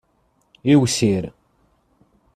Iwsir.